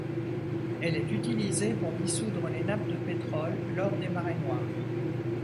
Elle est utilisée pour dissoudre les nappes de pétroles lors des marées noires.